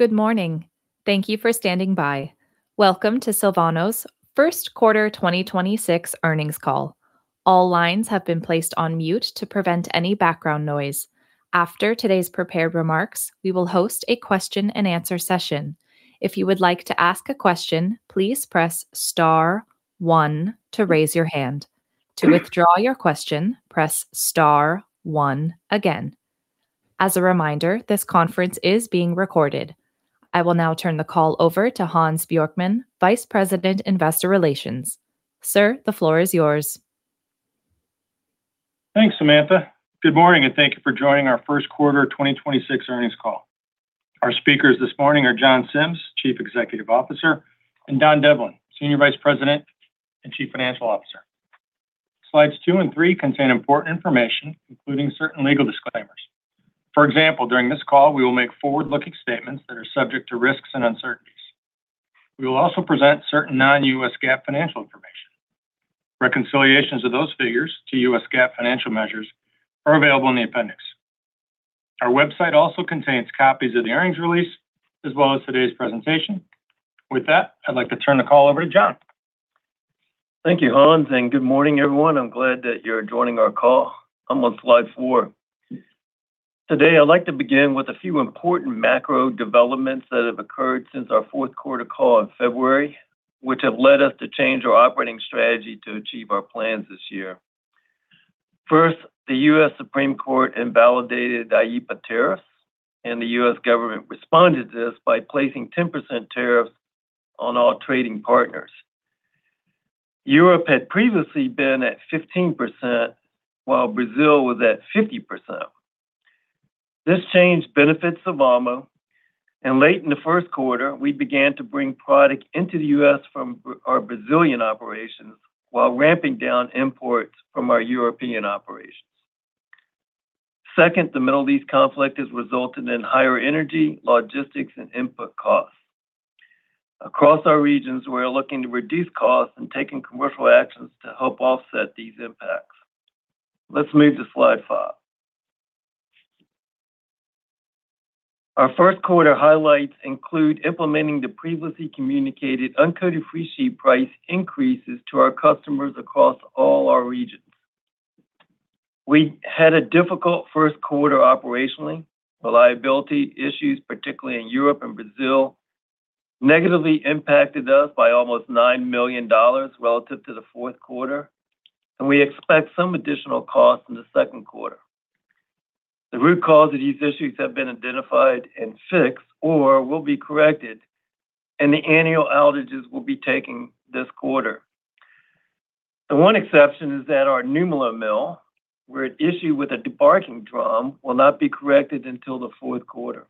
Good morning. Thank you for standing by. Welcome to Sylvamo's First Quarter 2026 Earnings Call. All lines have been placed on mute to prevent any background noise. After today's prepared remarks, we will host a question and answer session. If you would like to ask a question, please press star one to raise your hand. To withdraw your question, press star one again. As a reminder, this conference is being recorded. I will now turn the call over to Hans Bjorkman, Vice President, Investor Relations. Sir, the floor is yours. Thanks, Samantha. Good morning, and thank you for joining our First Quarter 2026 Earnings Call. Our speakers this morning are John Sims, Chief Executive Officer, and Don Devlin, Senior Vice President and Chief Financial Officer. Slides two and three contain important information, including certain legal disclaimers. For example, during this call, we will make forward-looking statements that are subject to risks and uncertainties. We will also present certain non-U.S. GAAP financial information. Reconciliations of those figures to U.S. GAAP financial measures are available in the appendix. Our website also contains copies of the earnings release as well as today's presentation. With that, I'd like to turn the call over to John. Thank you, Hans, and good morning, everyone. I'm glad that you're joining our call. I'm on slide four. Today, I'd like to begin with a few important macro developments that have occurred since our fourth quarter call in February, which have led us to change our operating strategy to achieve our plans this year. First, the U.S. Supreme Court invalidated the IEEPA tariffs, and the U.S. government responded to this by placing 10% tariffs on all trading partners. Europe had previously been at 15%, while Brazil was at 50%. This change benefits Sylvamo, and late in the first quarter, we began to bring product into the U.S. from our Brazilian operations while ramping down imports from our European operations. Second, the Middle East conflict has resulted in higher energy, logistics, and input costs. Across our regions, we are looking to reduce costs and taking commercial actions to help offset these impacts. Let's move to slide five. Our first quarter highlights include implementing the previously communicated uncoated freesheet price increases to our customers across all our regions. We had a difficult first quarter operationally. Reliability issues, particularly in Europe and Brazil, negatively impacted us by almost $9 million relative to the fourth quarter, and we expect some additional costs in the second quarter. The root cause of these issues have been identified and fixed or will be corrected, and the annual outages will be taking this quarter. The one exception is at our Nymölla mill, where an issue with a debarking drum will not be corrected until the fourth quarter.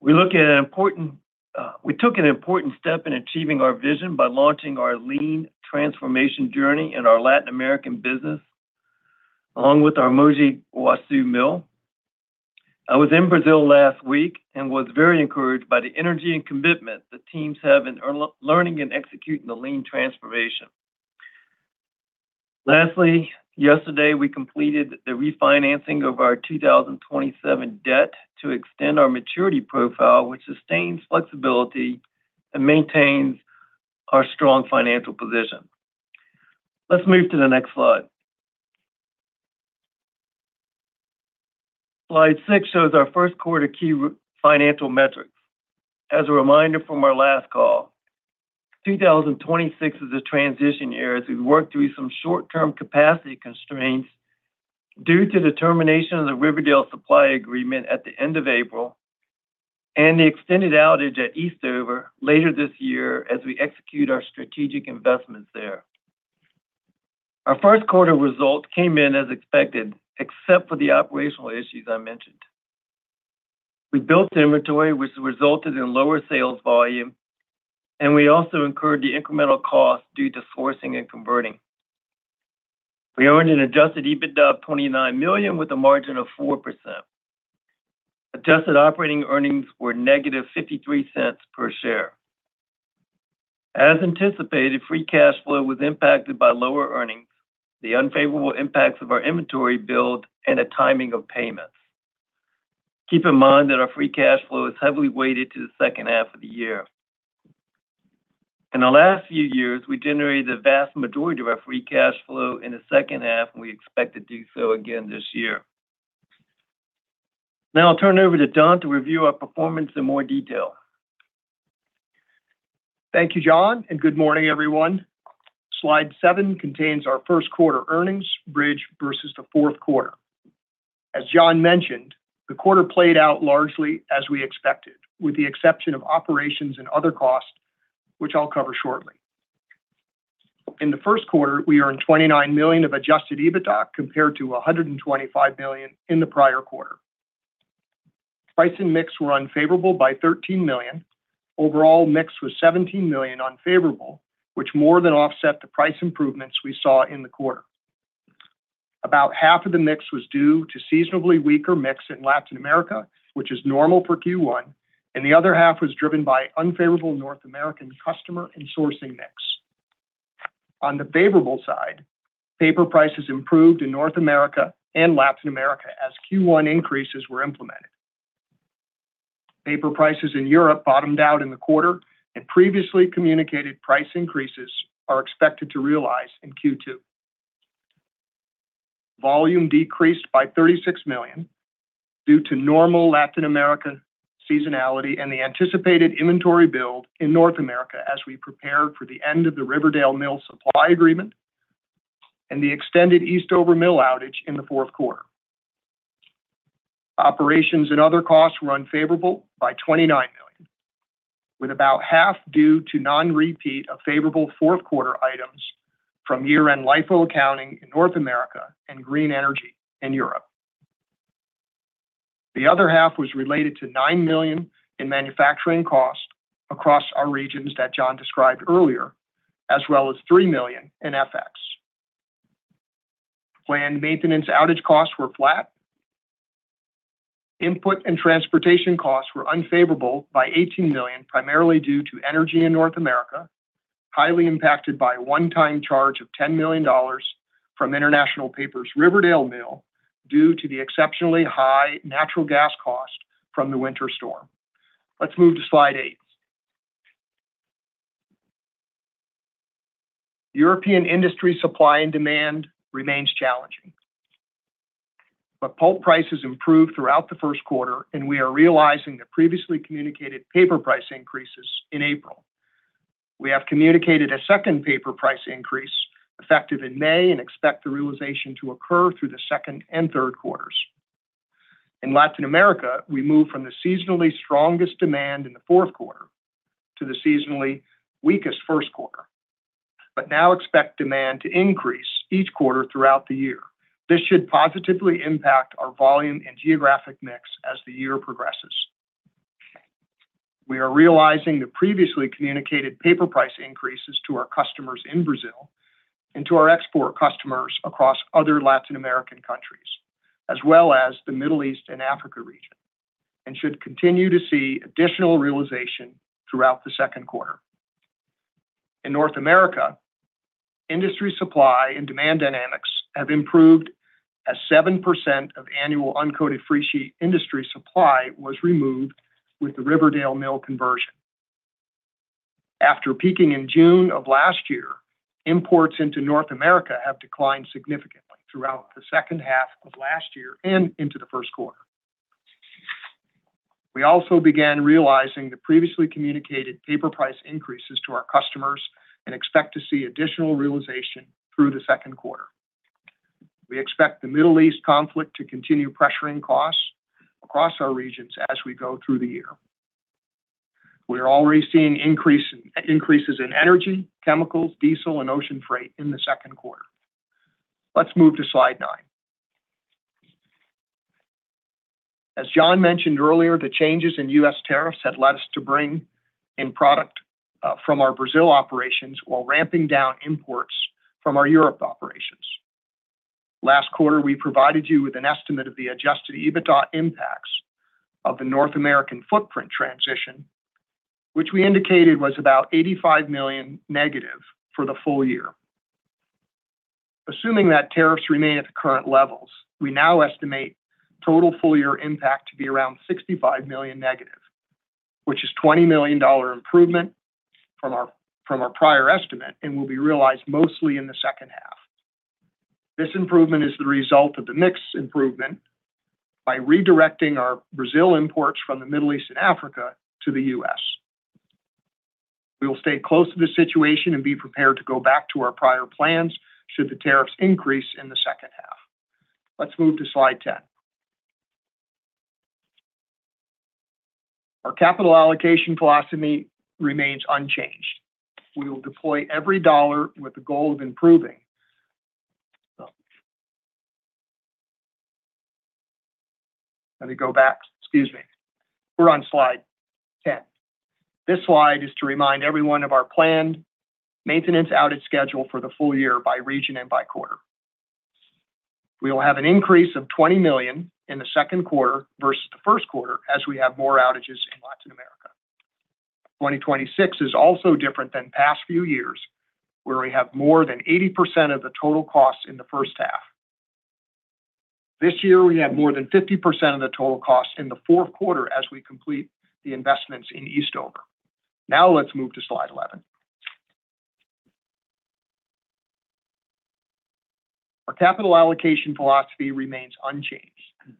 We took an important step in achieving our vision by launching our lean transformation journey in our Latin American business, along with our Mogi Guaçu mill. I was in Brazil last week and was very encouraged by the energy and commitment the teams have in learning and executing the lean transformation. Lastly, yesterday, we completed the refinancing of our 2027 debt to extend our maturity profile, which sustains flexibility and maintains our strong financial position. Let's move to the next slide. Slide six shows our first quarter key financial metrics. As a reminder from our last call, 2026 is a transition year as we work through some short-term capacity constraints due to the termination of the Riverdale supply agreement at the end of April and the extended outage at Eastover later this year as we execute our strategic investments there. Our first quarter results came in as expected, except for the operational issues I mentioned. We built inventory which resulted in lower sales volume. We also incurred the incremental cost due to sourcing and converting. We earned an adjusted EBITDA of $29 million with a margin of 4%. Adjusted operating earnings were negative $0.53 per share. As anticipated, free cash flow was impacted by lower earnings, the unfavorable impacts of our inventory build, and the timing of payments. Keep in mind that our free cash flow is heavily weighted to the second half of the year. In the last few years, we generated the vast majority of our free cash flow in the second half, and we expect to do so again this year. Now I'll turn it over to Don to review our performance in more detail. Thank you, John, and good morning, everyone. Slide seven contains our first quarter earnings bridge versus the fourth quarter. As John mentioned, the quarter played out largely as we expected, with the exception of operations and other costs, which I'll cover shortly. In the first quarter, we earned $29 million of adjusted EBITDA compared to $125 million in the prior quarter. Price and mix were unfavorable by $13 million. Overall mix was $17 million unfavorable, which more than offset the price improvements we saw in the quarter. About half of the mix was due to seasonably weaker mix in Latin America, which is normal for Q1, and the other half was driven by unfavorable North American customer and sourcing mix. On the favorable side, paper prices improved in North America and Latin America as Q1 increases were implemented. Paper prices in Europe bottomed out in the quarter and previously communicated price increases are expected to realize in Q2. Volume decreased by $36 million due to normal Latin American seasonality and the anticipated inventory build in North America as we prepare for the end of the Riverdale Mill supply agreement and the extended Eastover Mill outage in the fourth quarter. Operations and other costs were unfavorable by $29 million, with about half due to non-repeat of favorable fourth quarter items from year-end LIFO accounting in North America and green energy in Europe. The other half was related to $9 million in manufacturing cost across our regions that John described earlier, as well as $3 million in FX. Planned maintenance outage costs were flat. Input and transportation costs were unfavorable by $18 million, primarily due to energy in North America, highly impacted by a one-time charge of $10 million from International Paper's Riverdale Mill due to the exceptionally high natural gas cost from the winter storm. Let's move to slide eight. European industry supply and demand remains challenging. Pulp prices improved throughout the first quarter, and we are realizing the previously communicated paper price increases in April. We have communicated a second paper price increase effective in May and expect the realization to occur through the second and third quarters. In Latin America, we move from the seasonally strongest demand in the fourth quarter to the seasonally weakest first quarter, but now expect demand to increase each quarter throughout the year. This should positively impact our volume and geographic mix as the year progresses. We are realizing the previously communicated paper price increases to our customers in Brazil and to our export customers across other Latin American countries, as well as the Middle East and Africa region, and should continue to see additional realization throughout the second quarter. In North America, industry supply and demand dynamics have improved as 7% of annual uncoated freesheet industry supply was removed with the Riverdale Mill conversion. After peaking in June of last year, imports into North America have declined significantly throughout the second half of last year and into the first quarter. We also began realizing the previously communicated paper price increases to our customers and expect to see additional realization through the second quarter. We expect the Middle East conflict to continue pressuring costs across our regions as we go through the year. We are already seeing increases in energy, chemicals, diesel, and ocean freight in the second quarter. Let's move to slide nine. As John mentioned earlier, the changes in U.S. tariffs had led us to bring in product from our Brazil operations while ramping down imports from our Europe operations. Last quarter, we provided you with an estimate of the adjusted EBITDA impacts of the North American footprint transition, which we indicated was about $85 million negative for the full year. Assuming that tariffs remain at the current levels, we now estimate total full year impact to be around $65 million negative, which is $20 million improvement from our prior estimate and will be realized mostly in the second half. This improvement is the result of the mix improvement by redirecting our Brazil imports from the Middle East and Africa to the U.S. We will stay close to the situation and be prepared to go back to our prior plans should the tariffs increase in the second half. Let's move to slide 10. Our capital allocation philosophy remains unchanged. We will deploy every dollar with the goal of improving. Let me go back. Excuse me. We're on slide 10. This slide is to remind everyone of our planned maintenance outage schedule for the full year by region and by quarter. We will have an increase of $20 million in the second quarter versus the first quarter as we have more outages in Latin America. 2026 is also different than past few years, where we have more than 80% of the total cost in the first half. This year, we have more than 50% of the total cost in the fourth quarter as we complete the investments in Eastover. Now, let's move to slide 11. Our capital allocation philosophy remains unchanged.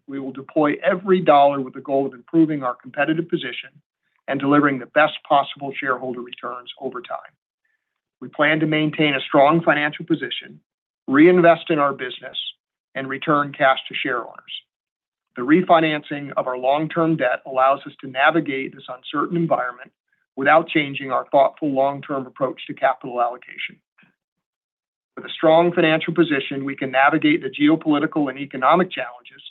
We will deploy every dollar with the goal of improving our competitive position and delivering the best possible shareholder returns over time. We plan to maintain a strong financial position, reinvest in our business, and return cash to shareholders. The refinancing of our long-term debt allows us to navigate this uncertain environment without changing our thoughtful long-term approach to capital allocation. With a strong financial position, we can navigate the geopolitical and economic challenges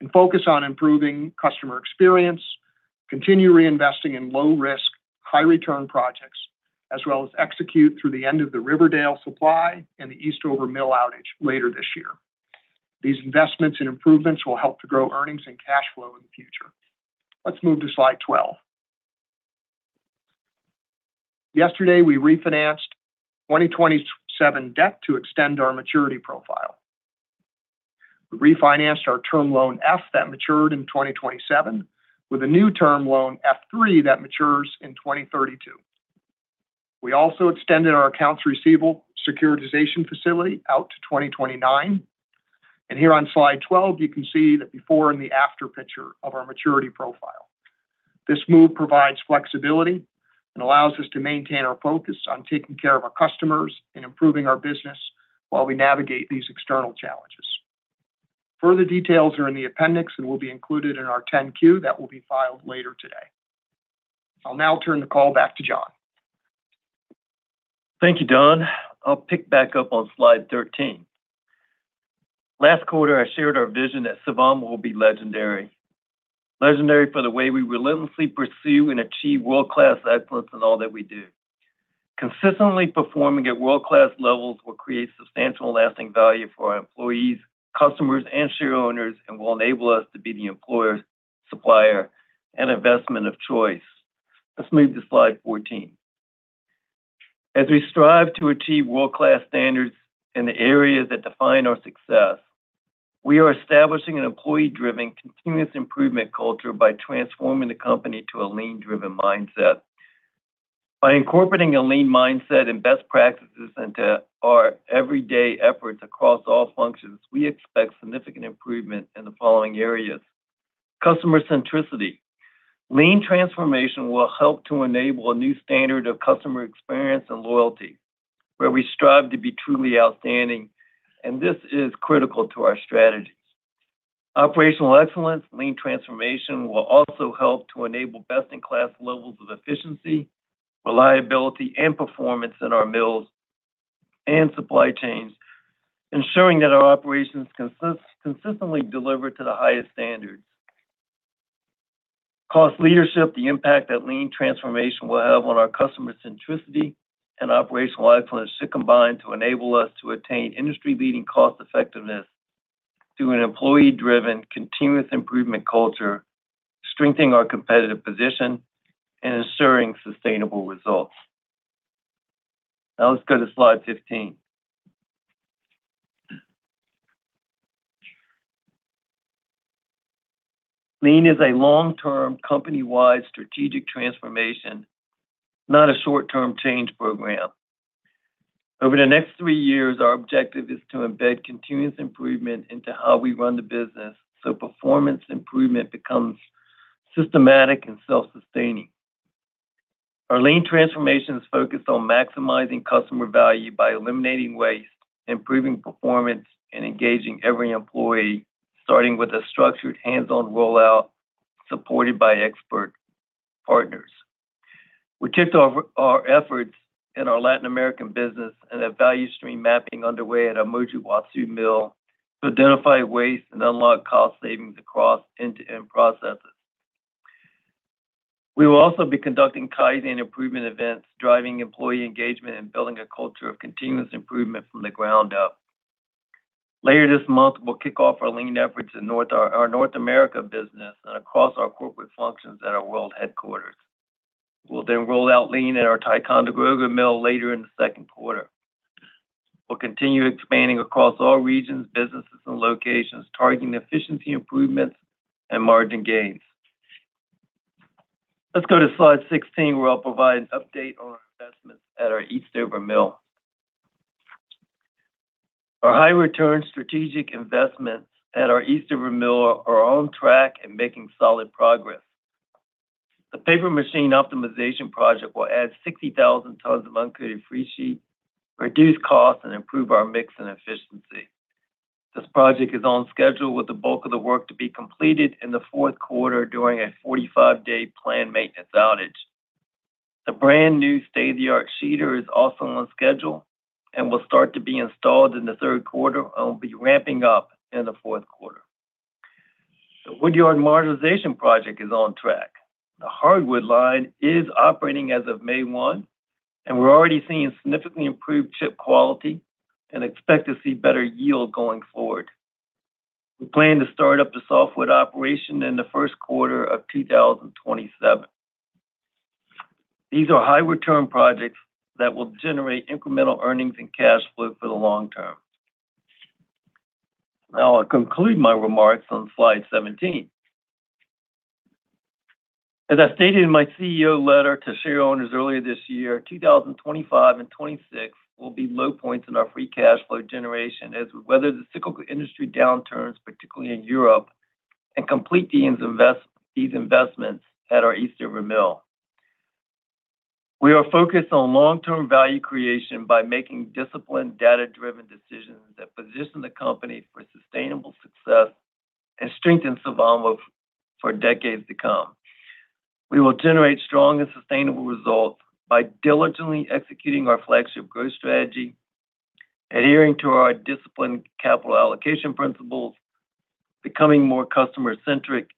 and focus on improving customer experience, continue reinvesting in low risk, high return projects, as well as execute through the end of the Riverdale supply and the Eastover Mill outage later this year. These investments and improvements will help to grow earnings and cash flow in the future. Let's move to slide 12. Yesterday, we refinanced 2027 debt to extend our maturity profile. We refinanced our Term Loan F that matured in 2027 with a new Term loan F3 that matures in 2032. We also extended our accounts receivable securitization facility out to 2029. Here on slide 12, you can see the before and the after picture of our maturity profile. This move provides flexibility and allows us to maintain our focus on taking care of our customers and improving our business while we navigate these external challenges. Further details are in the appendix and will be included in our 10-Q that will be filed later today. I'll now turn the call back to John. Thank you, Don. I'll pick back up on slide 13. Last quarter, I shared our vision that Sylvamo will be legendary. Legendary for the way we relentlessly pursue and achieve world-class outputs in all that we do. Consistently performing at world-class levels will create substantial lasting value for our employees, customers, and shareowners, and will enable us to be the employer, supplier, and investment of choice. Let's move to slide 14. As we strive to achieve world-class standards in the areas that define our success, we are establishing an employee-driven continuous improvement culture by transforming the company to a lean-driven mindset. By incorporating a lean mindset and best practices into our everyday efforts across all functions, we expect significant improvement in the following areas. Customer centricity. Lean transformation will help to enable a new standard of customer experience and loyalty, where we strive to be truly outstanding. This is critical to our strategies. Operational excellence Lean transformation will also help to enable best-in-class levels of efficiency, reliability, and performance in our mills and supply chains, ensuring that our operations consistently deliver to the highest standards. Cost leadership, the impact that Lean transformation will have on our customer centricity and operational excellence to combine to enable us to attain industry-leading cost effectiveness through an employee-driven continuous improvement culture, strengthening our competitive position and ensuring sustainable results. Now, let's go to slide 15. Lean is a long-term, company-wide strategic transformation, not a short-term change program. Over the next three years, our objective is to embed continuous improvement into how we run the business. Performance improvement becomes systematic and self-sustaining. Our lean transformation is focused on maximizing customer value by eliminating waste, improving performance, and engaging every employee, starting with a structured hands-on rollout supported by expert partners. We kicked off our efforts in our Latin American business and have value stream mapping underway at our Mogi Guaçu mill to identify waste and unlock cost savings across end-to-end processes. We will also be conducting Kaizen improvement events, driving employee engagement, and building a culture of continuous improvement from the ground up. Later this month, we'll kick off our lean efforts in our North America business and across our corporate functions at our world headquarters. We'll then roll out lean at our Ticonderoga mill later in the second quarter. We'll continue expanding across all regions, businesses, and locations, targeting efficiency improvements and margin gains. Let's go to slide 16, where I'll provide an update on our investments at our Eastover Mill. Our high-return strategic investments at our Eastover Mill are on track and making solid progress. The paper machine optimization project will add 60,000 tons of uncoated freesheet, reduce costs, and improve our mix and efficiency. This project is on schedule with the bulk of the work to be completed in the fourth quarter during a 45-day plan maintenance outage. The brand-new state-of-the-art sheeter is also on schedule and will start to be installed in the third quarter and will be ramping up in the fourth quarter. The woodyard modernization project is on track. The hardwood line is operating as of May 1, and we're already seeing significantly improved chip quality and expect to see better yield going forward. We plan to start up the softwood operation in the first quarter of 2027. These are high-return projects that will generate incremental earnings and cash flow for the long term. I'll conclude my remarks on slide 17. As I stated in my CEO letter to shareowners earlier this year, 2025 and 2026 will be low points in our free cash flow generation as we weather the cyclical industry downturns, particularly in Europe, and complete these investments at our Eastover Mill. We are focused on long-term value creation by making disciplined, data-driven decisions that position the company for sustainable success and strengthen Sylvamo for decades to come. We will generate strong and sustainable results by diligently executing our flagship growth strategy, adhering to our disciplined capital allocation principles, becoming more customer-centric,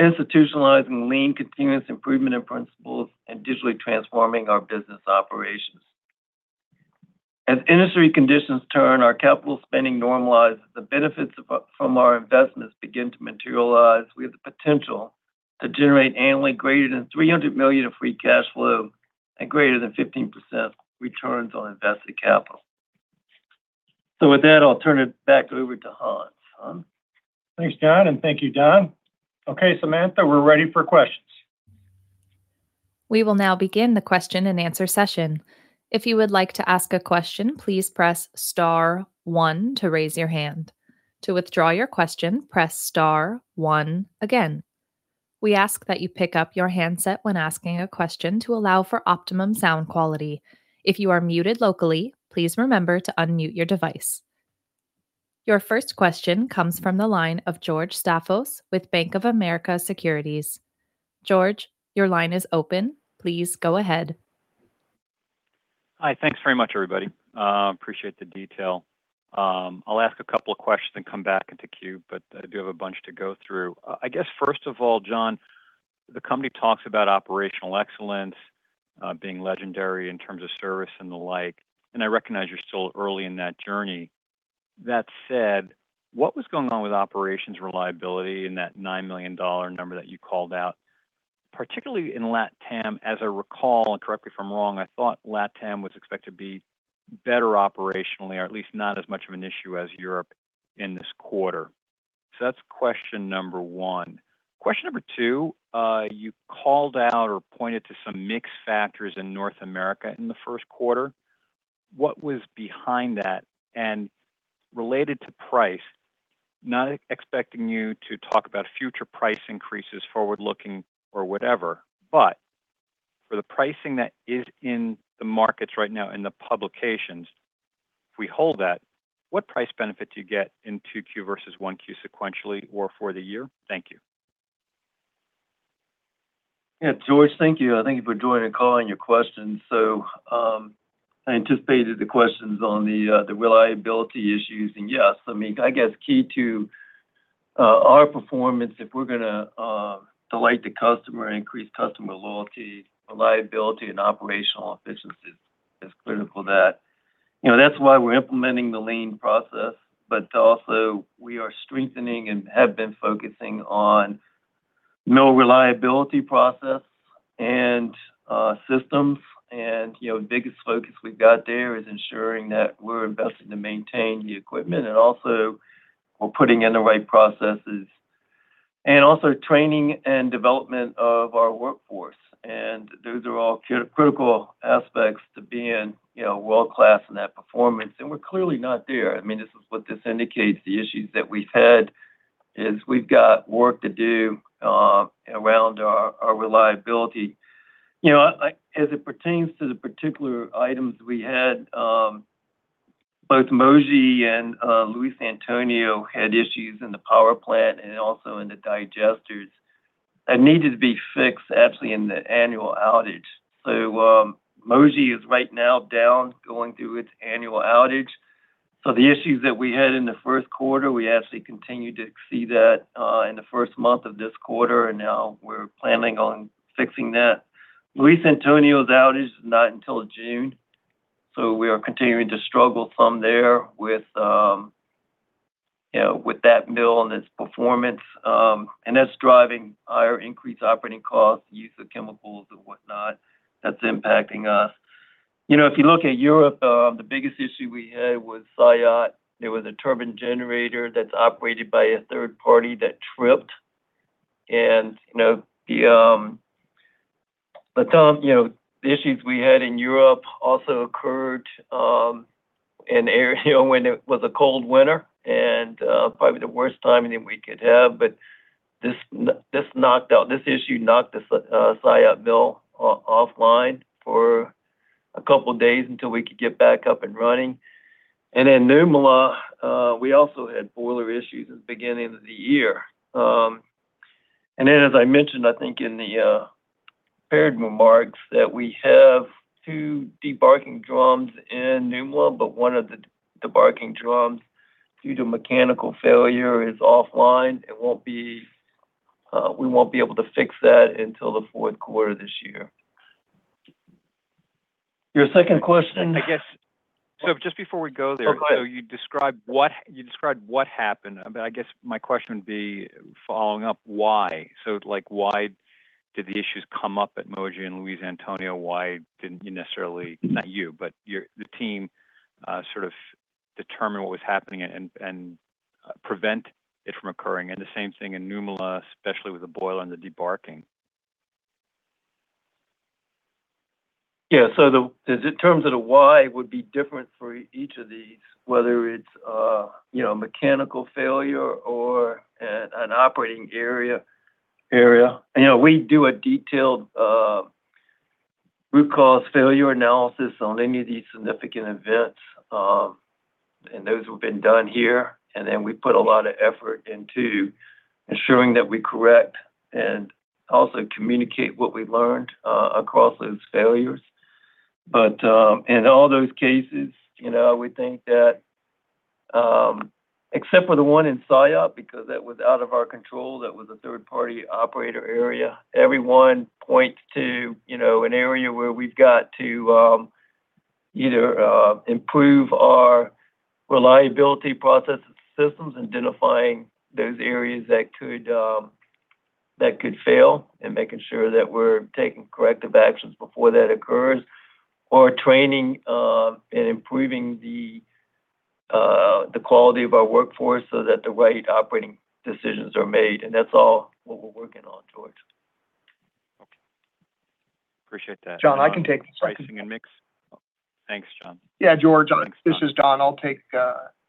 institutionalizing lean continuous improvement in principles, and digitally transforming our business operations. As industry conditions turn our capital spending normalized, the benefits from our investments begin to materialize with the potential to generate annually greater than $300 million of free cash flow and greater than 15% returns on invested capital. With that, I'll turn it back over to Hans. Hans? Thanks, John, and thank you, Don. Okay, Samantha, we're ready for questions. We will now begin the question and answer session. If you would like to ask a question, please press star one to raise your hand. To withdraw your question, press star one again. We ask that you pick up your handset when asking a question to allow for optimum sound quality. If you are muted locally, please remember to unmute your device. Your first question comes from the line of George Staphos with Bank of America Securities. George, your line is open. Please go ahead. Hi. Thanks very much, everybody. Appreciate the detail. I'll ask a couple of questions and come back into queue, but I do have a bunch to go through. I guess, first of all, John, the company talks about operational excellence, being legendary in terms of service and the like, and I recognize you're still early in that journey. That said, what was going on with operations reliability in that $9 million number that you called out, particularly in Latam? As I recall, and correct me if I'm wrong, I thought Latam was expected to be better operationally, or at least not as much of an issue as Europe in this quarter. That's question number one. Question number two, you called out or pointed to some mixed factors in North America in the first quarter. What was behind that? And related to price, not expecting you to talk about future price increases, forward-looking or whatever, but for the pricing that is in the markets right now in the publications, if we hold that, what price benefit do you get in 2Q versus 1Q sequentially or for the year? Thank you. Yeah. George, thank you. Thank you for joining and calling your questions. I anticipated the questions on the reliability issues. Yes, I mean, I guess key to our performance if we're gonna delight the customer, increase customer loyalty, reliability and operational efficiencies is critical to that. You know, that's why we're implementing the lean process, but also we are strengthening and have been focusing on mill reliability process and systems. You know, the biggest focus we've got there is ensuring that we're investing to maintain the equipment and also we're putting in the right processes and also training and development of our workforce. Those are all critical aspects to being, you know, world-class in that performance, and we're clearly not there. I mean, this is what this indicates. The issues that we've had is we've got work to do, around our reliability. You know, like, as it pertains to the particular items we had, both Mogi and Luiz Antônio had issues in the power plant and also in the digesters that needed to be fixed actually in the annual outage. Mogi is right now down, going through its annual outage. The issues that we had in the first quarter, we actually continued to see that in the first month of this quarter, and now we're planning on fixing that. Luiz Antônio's outage is not until June, so we are continuing to struggle some there with, you know, with that mill and its performance. That's driving our increased operating costs, use of chemicals and whatnot. That's impacting us. You know, if you look at Europe, the biggest issue we had was Saillat. There was a turbine generator that's operated by a third party that tripped. You know, the issues we had in Europe also occurred in area when it was a cold winter and probably the worst timing we could have. This issue knocked the Saillat mill offline for a couple of days until we could get back up and running. Then Nymölla, we also had boiler issues at the beginning of the year. Then as I mentioned, I think in the prepared remarks that we have two debarking drums in Nymölla, but one of the debarking drums due to mechanical failure is offline. It won't be, we won't be able to fix that until the fourth quarter this year. Your second question again? So, just before we go there. Oh, go ahead. You described what happened. I guess my question would be following up why. Why did the issues come up at Mogi and Luiz Antônio? Why didn't you necessarily, not you, but your, the team, sort of determine what was happening and prevent it from occurring? The same thing in Nymölla, especially with the boiler and the debarking. The terms of the why would be different for each of these, whether it's, you know, mechanical failure or an operating area. You know, we do a detailed root cause failure analysis on any of these significant events, and those have been done here. We put a lot of effort into ensuring that we correct and also communicate what we've learned across those failures. In all those cases, you know, except for the one in Saillat, because that was out of our control, that was a third-party operator area. Every one points to, you know, an area where we've got to either improve our reliability processes systems, identifying those areas that could that could fail, and making sure that we're taking corrective actions before that occurs. We're training, and improving the quality of our workforce so that the right operating decisions are made, and that's all what we're working on, George. Okay. Appreciate that. John, I can take this. Pricing and mix? Thanks, John. Yeah, George, this is Don. I'll take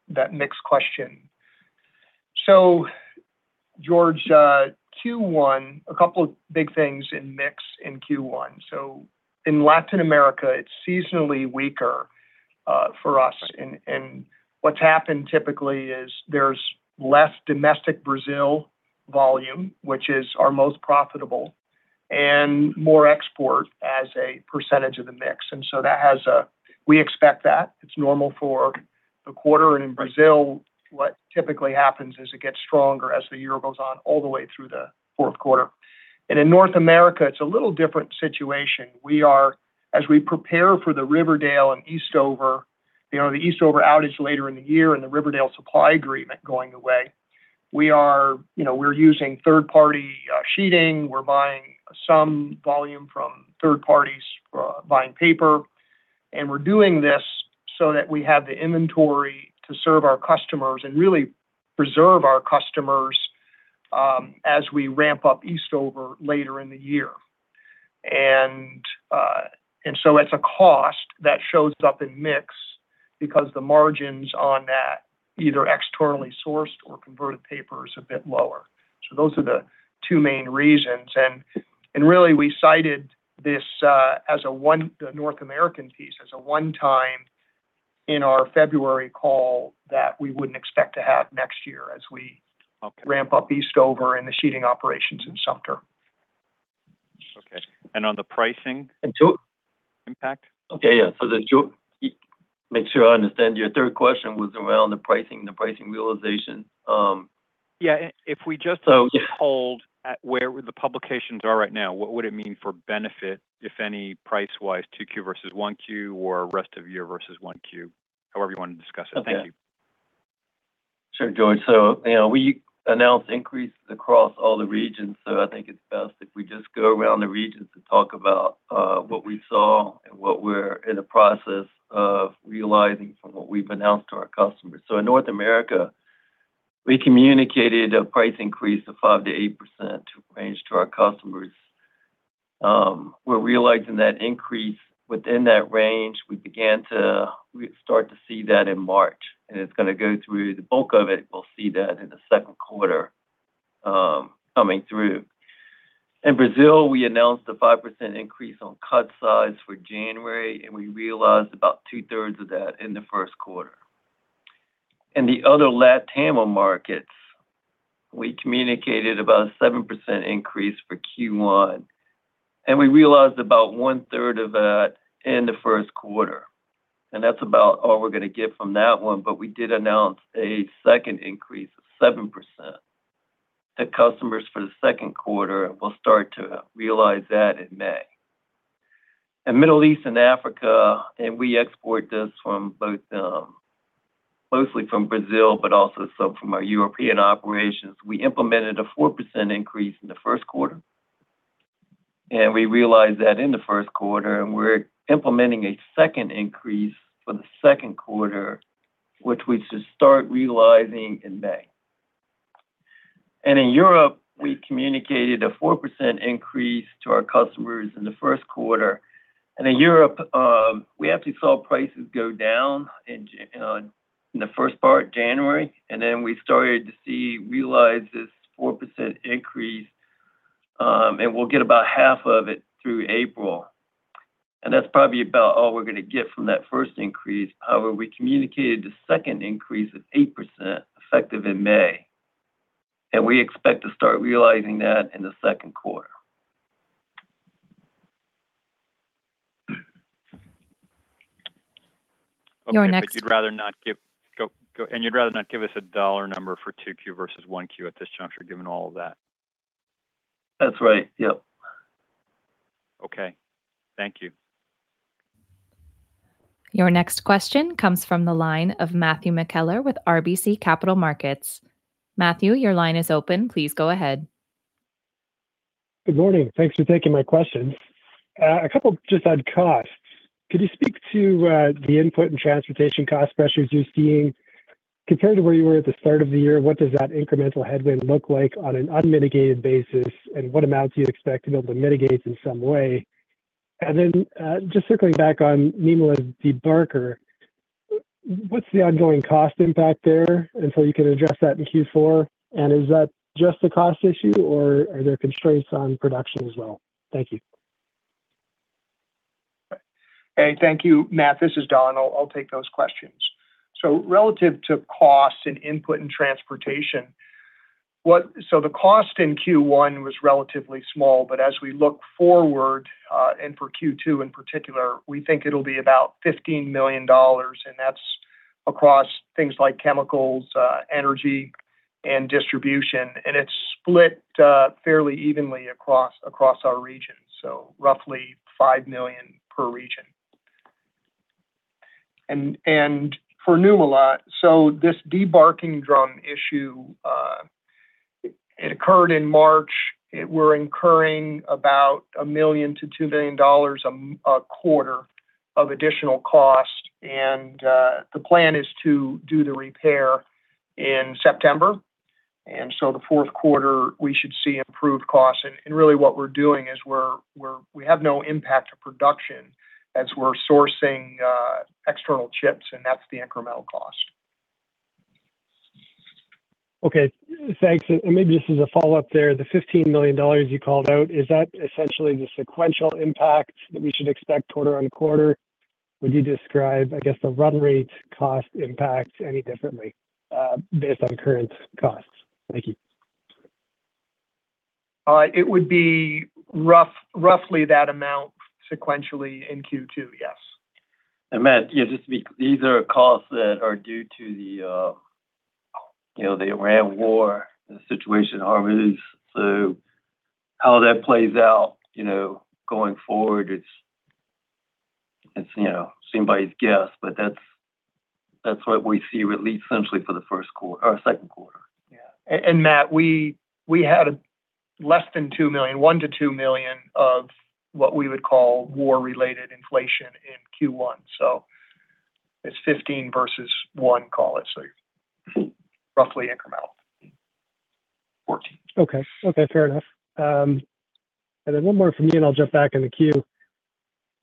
that mix question. George, Q1, a couple of big things in mix in Q1. In Latin America, it's seasonally weaker for us. What's happened typically is there's less domestic Brazil volume, which is our most profitable, and more export as a percentage of the mix. We expect that. It's normal for the quarter. In Brazil, what typically happens is it gets stronger as the year goes on, all the way through the fourth quarter. In North America, it's a little different situation. As we prepare for the Riverdale and Eastover, you know, the Eastover outage later in the year and the Riverdale supply agreement going away, we are, you know, we're using third-party sheeting. We're buying some volume from third parties, buying paper. We're doing this so that we have the inventory to serve our customers and really preserve our customers, as we ramp up Eastover later in the year. It's a cost that shows up in mix because the margins on that, either externally sourced or converted paper, is a bit lower. Those are the two main reasons. We cited this as the North American piece as a one-time in our February call that we wouldn't expect to have next year as we... Okay... Ramp up Eastover and the sheeting operations in Sumter. Okay. And on the pricing? And to... Impact? Okay, yeah. George, make sure I understand, your third question was around the pricing, the pricing realization. Yeah. If we just... Yeah.... Hold at where the publications are right now, what would it mean for benefit, if any, price-wise, 2Q versus 1Q or rest of year versus 1Q? However you want to discuss it. Okay. Thank you. Sure, George. You know, we announced increase across all the regions. I think it's best if we just go around the regions and talk about what we saw and what we're in the process of realizing from what we've announced to our customers. In North America, we communicated a price increase of 5%-8% range to our customers. We're realizing that increase within that range. We start to see that in March, and it's going to go through the bulk of it. We'll see that in the second quarter coming through. In Brazil, we announced a 5% increase on cut-size for January, and we realized about two-thirds of that in the first quarter. In the other LatAm markets, we communicated about a 7% increase for Q1. We realized about one-third of that in the first quarter, and that's about all we're gonna get from that one. We did announce a second increase of 7% to customers for the second quarter. We'll start to realize that in May. In Middle East and Africa, we export this from both, mostly from Brazil, but also some from our European operations. We implemented a 4% increase in the first quarter. We realized that in the first quarter, we're implementing a second increase for the second quarter, which we should start realizing in May. In Europe, we communicated a 4% increase to our customers in the first quarter. In Europe, we actually saw prices go down in the first part, January, and then we started to see, realize this 4% increase. We'll get about half of it through April. That's probably about all we're gonna get from that first increase. However, we communicated a second increase of 8%, effective in May, and we expect to start realizing that in the second quarter. Your next- Okay. You'd rather not give us a dollar number for 2Q versus 1Q at this juncture, given all of that? That's right. Yep. Okay. Thank you. Your next question comes from the line of Matthew McKellar with RBC Capital Markets. Matthew, your line is open. Please go ahead. Good morning. Thanks for taking my questions. A couple just on cost. Could you speak to the input and transportation cost pressures you're seeing? Compared to where you were at the start of the year, what does that incremental headwind look like on an unmitigated basis, and what amounts do you expect to be able to mitigate in some way? Just circling back on Nymölla debarker, what's the ongoing cost impact there? You can address that in Q4. Is that just a cost issue, or are there constraints on production as well? Thank you. Hey, thank you, Matt. This is Don. I'll take those questions. Relative to costs and input and transportation, the cost in Q1 was relatively small, but as we look forward, and for Q2 in particular, we think it'll be about $15 million. That's across things like chemicals, energy and distribution. It's split fairly evenly across our region. Roughly $5 million per region. For Nymölla, this debarking drum issue occurred in March. We're incurring about $1 million-$2 million a quarter of additional cost. The plan is to do the repair in September. The fourth quarter we should see improved costs. Really what we're doing is we have no impact to production as we're sourcing external chips, and that's the incremental cost. Okay. Thanks. Maybe this is a follow-up there. The $15 million you called out, is that essentially the sequential impact that we should expect quarter-on-quarter? Would you describe, I guess, the run rate cost impact any differently, based on current costs? Thank you. It would be roughly that amount sequentially in Q2, yes. Matt, these are costs that are due to the, you know, the Iran war situation, obviously. How that plays out, you know, going forward, it's, you know, anybody's guess. That's what we see, at least essentially for the second quarter. Yeah. Matt, we had less than $2 million, $1 million to $2 million of what we would call war-related inflation in Q1. It's $15 million versus $1 million, call it. Roughly incremental. $14 million. Okay. Okay, fair enough. One more from me, and I'll jump back in the queue.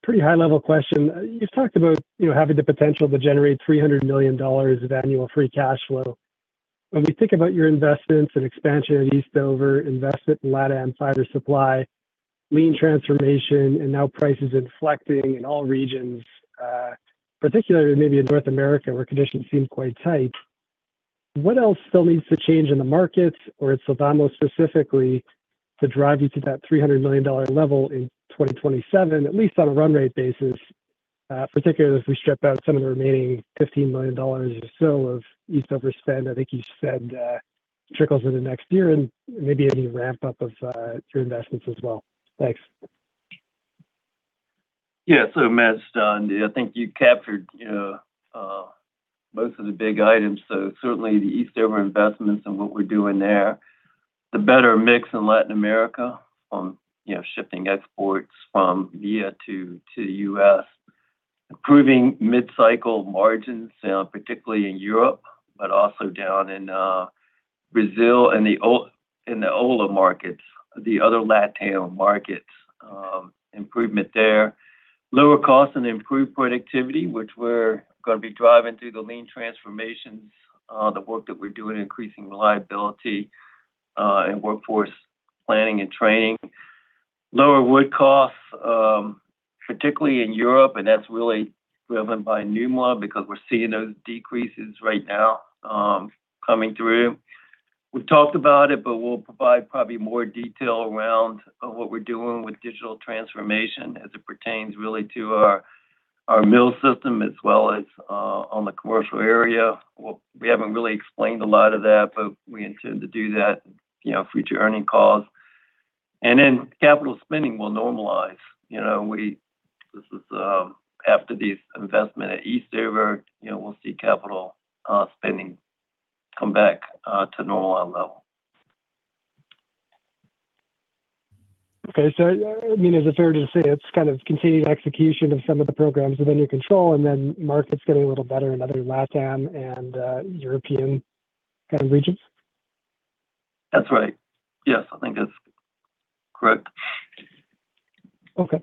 Pretty high-level question. You've talked about, you know, having the potential to generate $300 million of annual free cash flow. When we think about your investments and expansion at Eastover, investment in LatAm fiber supply, lean transformation, and now prices inflecting in all regions, particularly maybe in North America, where conditions seem quite tight, what else still needs to change in the markets or at Sylvamo specifically to drive you to that $300 million level in 2027, at least on a run rate basis, particularly as we strip out some of the remaining $15 million or so of Eastover spend? I think you said, trickles into next year and maybe any ramp-up of your investments as well. Thanks. Yeah. So, Matt, I think you captured most of the big items. Certainly the Eastover investments and what we're doing there. The better mix in Latin America from, you know, shifting exports from via to U.S. Improving mid-cycle margins, particularly in Europe, but also down in Brazil and the O- in the OLA markets, the other LatAm markets, improvement there. Lower cost and improved productivity, which we're gonna be driving through the lean transformations, the work that we're doing increasing reliability, and workforce planning and training. Lower wood costs, particularly in Europe, and that's really driven by Nymölla because we're seeing those decreases right now, coming through. We've talked about it, but we'll provide probably more detail around what we're doing with digital transformation as it pertains really to our mill system as well as on the commercial area. We haven't really explained a lot of that, but we intend to do that, you know, future earnings calls. Capital spending will normalize. You know, this is after the investment at Eastover, you know, we'll see capital spending come back to normal level. Okay. I mean, is it fair to say it's kind of continued execution of some of the programs within your control and then markets getting a little better in other LatAm and European kind of regions? That's right. Yes, I think that's correct. Okay.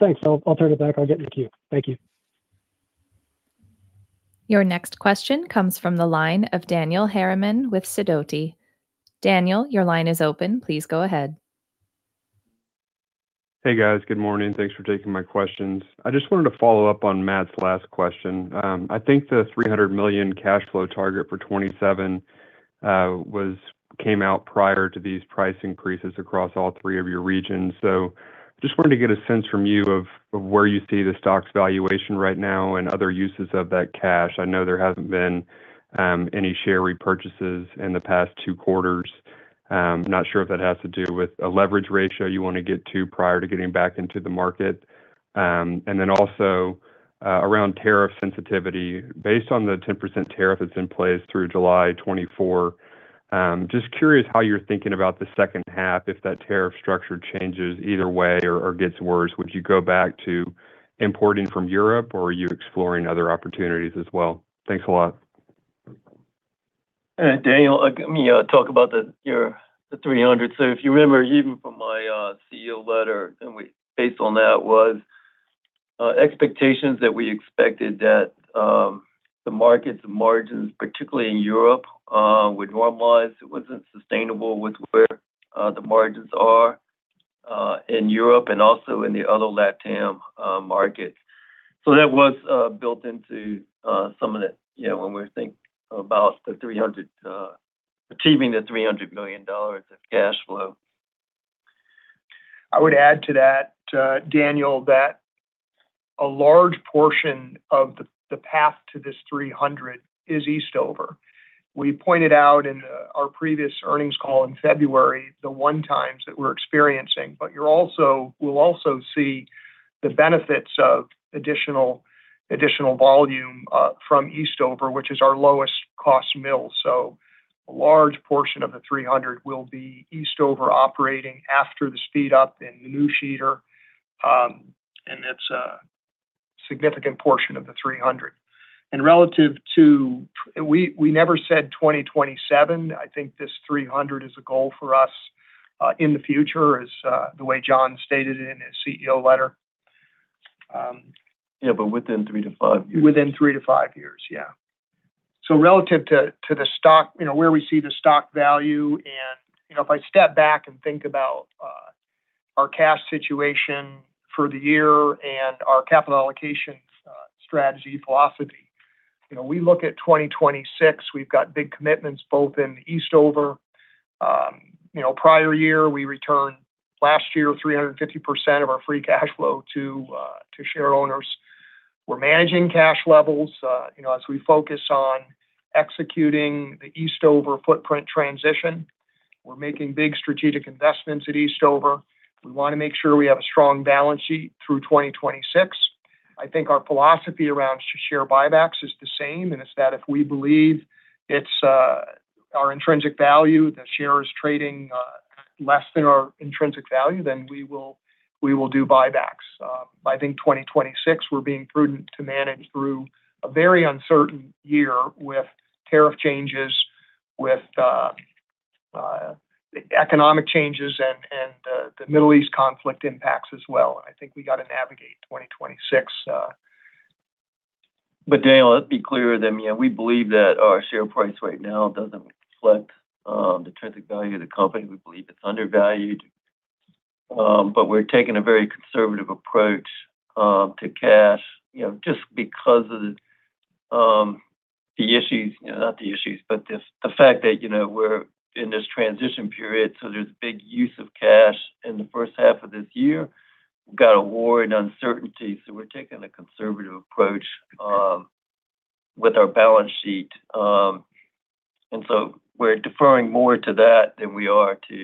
Thanks. I'll turn it back. I'll get in the queue. Thank you. Your next question comes from the line of Daniel Harriman with Sidoti. Daniel, your line is open. Please go ahead. Hey, guys. Good morning. Thanks for taking my questions. I just wanted to follow up on Matt's last question. I think the $300 million cash flow target for 2027 which came out prior to these price increases across all three of your regions. Just wanted to get a sense from you of where you see the stock's valuation right now and other uses of that cash. I know there hasn't been any share repurchases in the past two quarters. Not sure if that has to do with a leverage ratio you wanna get to prior to getting back into the market. Also, around tariff sensitivity. Based on the 10% tariff that's in place through July 2024, just curious how you're thinking about the second half if that tariff structure changes either way or gets worse. Would you go back to importing from Europe, or are you exploring other opportunities as well? Thanks a lot. Daniel, look, let me talk about the your the $300 million. If you remember even from my CEO letter and we based on that was expectations that we expected that the markets and margins, particularly in Europe, would normalize. It wasn't sustainable with where the margins are in Europe and also in the other LatAm markets. That was built into some of that, you know, when we think about the $300 million achieving the $300 million of cash flow. I would add to that, Daniel, that a large portion of the path to this $300 million is Eastover. We pointed out in our previous earnings call in February the one-time that we're experiencing. We'll also see the benefits of additional volume from Eastover, which is our lowest cost mill. A large portion of the $300 million will be Eastover operating after the speed up in the new sheeter. That's a significant portion of the $300 million. Relative to, we never said 2027. I think this $300 million is a goal for us in the future, as John stated in his CEO letter. Yeah, within three to five years. Within three to five years, yeah. Relative to the stock, you know, where we see the stock value and, you know, if I step back and think about our cash situation for the year and our capital allocation strategy philosophy. You know, we look at 2026, we've got big commitments both in Eastover. You know, prior year we returned last year 350% of our free cash flow to share owners. We're managing cash levels, you know, as we focus on executing the Eastover footprint transition. We're making big strategic investments at Eastover. We wanna make sure we have a strong balance sheet through 2026. I think our philosophy around share buybacks is the same, and it's that if we believe it's our intrinsic value, the share is trading less than our intrinsic value, then we will do buybacks. I think 2026, we're being prudent to manage through a very uncertain year with tariff changes, with economic changes and the Middle East conflict impacts as well. I think we gotta navigate 2026. Daniel, let's be clear then. Yeah, we believe that our share price right now doesn't reflect the intrinsic value of the company. We believe it's undervalued. We're taking a very conservative approach to cash, you know, just because of the issues. You know, not the issues, but the fact that, you know, we're in this transition period, so there's big use of cash in the first half of this year. We've got a war and uncertainty, so we're taking a conservative approach with our balance sheet. We're deferring more to that than we are to,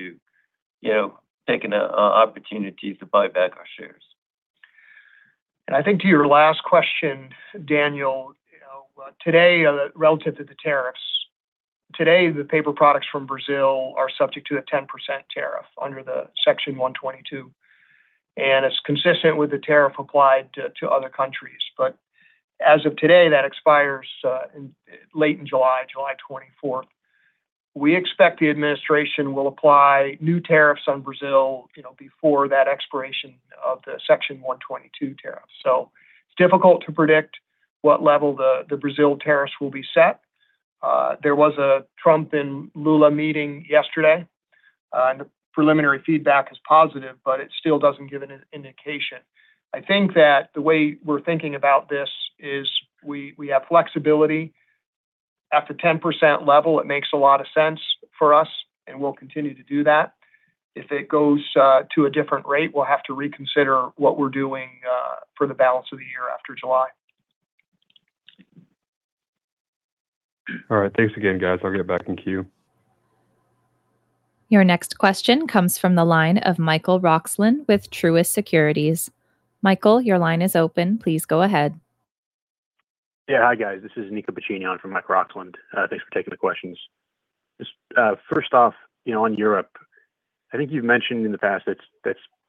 you know, taking opportunities to buy back our shares. I think to your last question, Daniel, you know, today, relative to the tariffs. Today, the paper products from Brazil are subject to a 10% tariff under the Section 122, and it's consistent with the tariff applied to other countries. As of today, that expires late in July, July 24th. We expect the administration will apply new tariffs on Brazil before that expiration of the Section 122 tariff. It's difficult to predict what level the Brazil tariffs will be set. There was a Trump and Lula meeting yesterday, and the preliminary feedback is positive, but it still doesn't give an indication. I think that the way we're thinking about this is we have flexibility. At the 10% level, it makes a lot of sense for us, and we'll continue to do that. If it goes to a different rate, we'll have to reconsider what we're doing for the balance of the year after July. All right. Thanks again, guys. I'll get back in queue. Your next question comes from the line of Michael Roxland with Truist Securities. Michael, your line is open. Please go ahead. Yeah. Hi, guys. This is Niccolo Piccini from Michael Roxland. Thanks for taking the questions. Just, first off, you know, on Europe, I think you've mentioned in the past that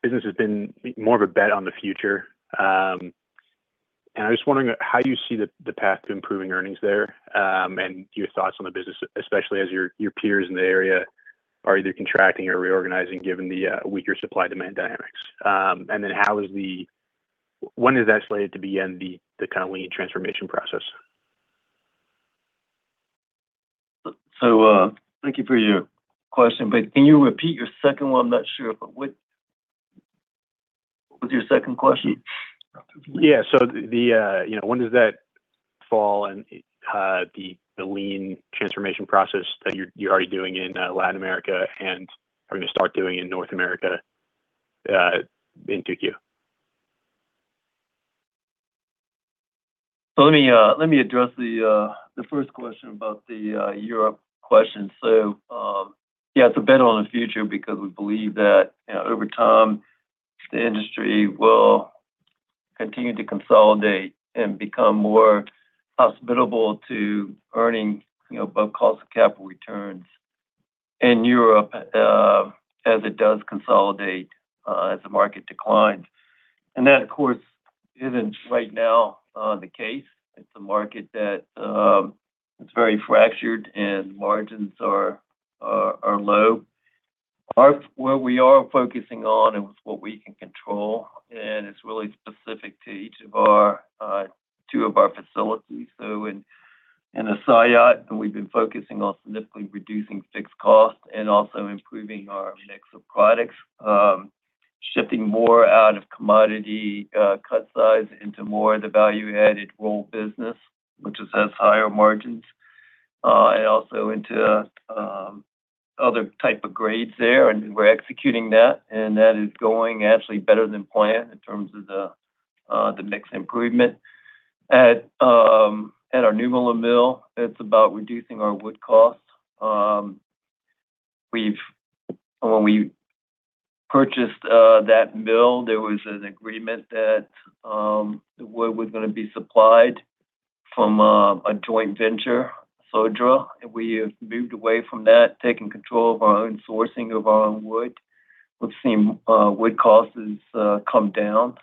business has been more of a bet on the future. I'm just wondering how do you see the path to improving earnings there, your thoughts on the business, especially as your peers in the area are either contracting or reorganizing given the weaker supply-demand dynamics? When is that slated to be in the kind of lean transformation process? Thank you for your question. Can you repeat your second one? I'm not sure, but what was your second question? Yeah. The, you know, when does that fall and the lean transformation process that you're already doing in Latin America and are gonna start doing in North America into Q? Let me address the first question about the Europe question. Yeah, it's a bet on the future because we believe that, you know, over time, the industry will continue to consolidate and become more hospitable to earning, you know, both cost of capital returns in Europe as it does consolidate as the market declines. That, of course, isn't right now the case. It's a market that it's very fractured and margins are low. What we are focusing on and what we control, and it's really specific to each of our two of our facilities. In Saillat, we've been focusing on significantly reducing fixed costs and also improving our mix of products. Shifting more out of commodity cut-size into more the value-added roll business, which has higher margins, and also into other type of grades there, and we're executing that, and that is going actually better than planned in terms of the mix improvement. At our Nymölla mill, it's about reducing our wood costs. When we purchased that mill, there was an agreement that the wood was gonna be supplied from a joint venture, Södra, and we have moved away from that, taking control of our own sourcing of our own wood. We've seen wood costs has come down,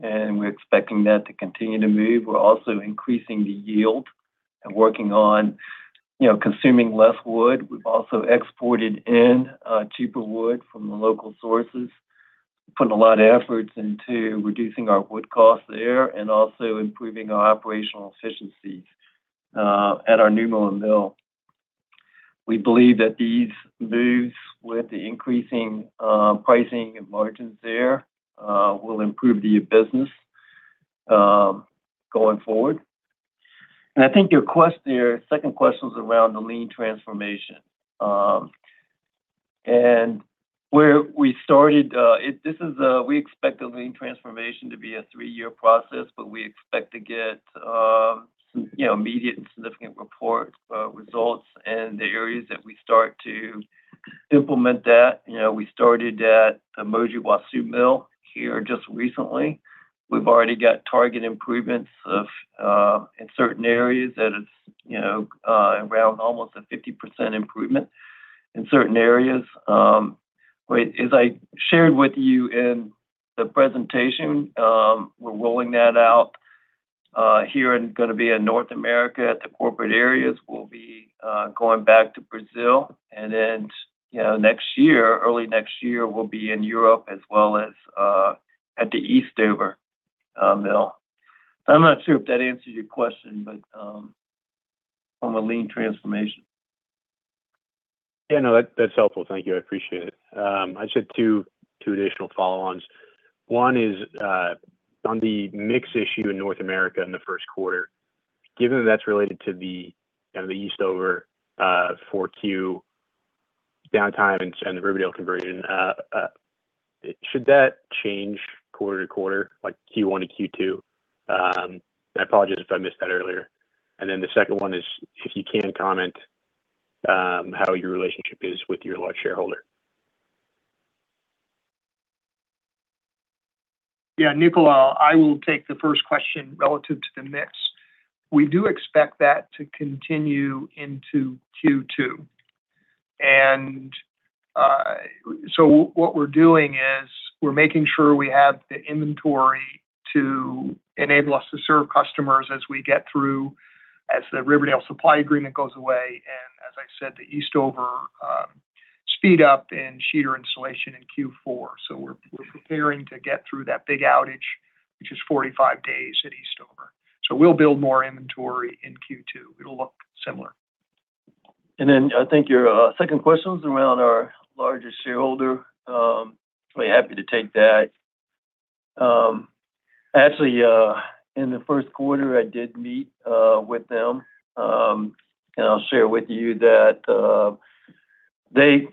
and we're expecting that to continue to move. We're also increasing the yield and working on, you know, consuming less wood. We've also exported in cheaper wood from the local sources. Putting a lot of efforts into reducing our wood costs there and also improving our operational efficiencies at our Nymölla mill. We believe that these moves with the increasing pricing and margins there will improve the business going forward. I think your second question was around the lean transformation. Where we started, this is, we expect the lean transformation to be a three-year process, but we expect to get, you know, immediate and significant results in the areas that we start to implement that. You know, we started at the Mogi Guaçu mill here just recently. We've already got target improvements of in certain areas that it's, you know, around almost a 50% improvement in certain areas. As I shared with you in the presentation, we're rolling that out here and gonna be in North America at the corporate areas. We'll be going back to Brazil, and then, you know, next year, early next year, we'll be in Europe as well as at the Eastover mill. I'm not sure if that answers your question, but on the Lean transformation. Yeah, no, that's helpful. Thank you. I appreciate it. I just had two additional follow-ons. One is on the mix issue in North America in the first quarter, given that's related to the, kind of the Eastover, 4Q downtime and the Riverdale conversion, should that change quarter-to-quarter, like Q1 to Q2? I apologize if I missed that earlier. The second one is if you can comment, how your relationship is with your large shareholder. Yeah, Niccolo, I will take the first question relative to the mix. We do expect that to continue into Q2. What we're doing is we're making sure we have the inventory to enable us to serve customers as we get through, as the Riverdale supply agreement goes away. As I said, the Eastover speed up in sheeter installation in Q4. We're preparing to get through that big outage, which is 45 days at Eastover. We'll build more inventory in Q2. It'll look similar. Then I think your second question was around our largest shareholder. I'm happy to take that. Actually, in the first quarter, I did meet with them. I'll share with you that they